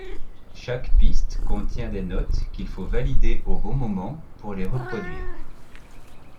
Chaque piste contient des notes qu'il faut valider au bon moment pour les reproduire.